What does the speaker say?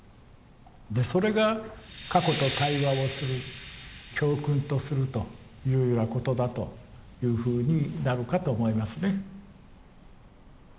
でそれが過去と対話をする教訓とするというようなことだというふうになるかと思いますね。